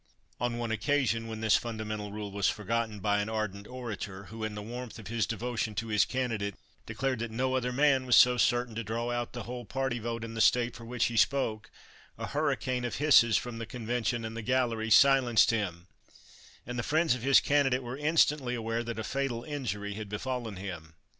On one occasion, when this fundamental rule was forgotten by an ardent orator, who, in the warmth of his devotion to his candidate, declared that no other man was so certain to draw out the whole party vote in the state for which he spoke, a hurricane of hisses from the convention and the galleries silenced him, and the friends of his candidate were instantly aware that a fatal injury had befallen him.